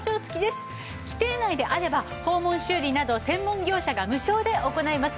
規定内であれば訪問修理など専門業者が無償で行います。